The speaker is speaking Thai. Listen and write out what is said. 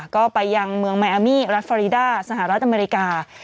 ก็ไปยังเมืองมายอามี่รัฐฟอริดาสหรัฐอเมริกา